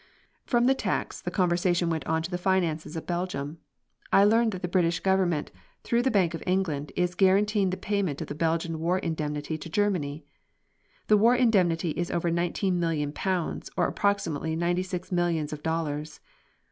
From the tax the conversation went on to the finances of Belgium. I learned that the British Government, through the Bank of England, is guaranteeing the payment of the Belgian war indemnity to Germany! The war indemnity is over nineteen million pounds, or approximately ninety six millions of dollars.